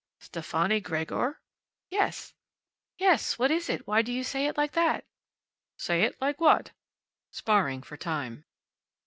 "Stefani Gregor?" "Yes. What is it? Why do you say it like that?" "Say it like what?" sparring for time.